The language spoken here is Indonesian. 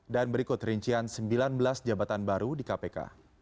dan berikut rincian sembilan belas jabatan baru di kpk